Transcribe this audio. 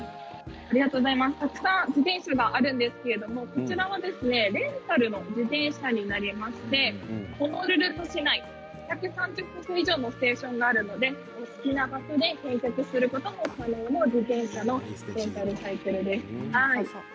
自転車があるんですけれども、こちらはレンタルの自転車になりましてホノルル市内１３０か所以上のステーションがあるのでお好きな場所で返却することも可能な自転車のレンタルサイクルです。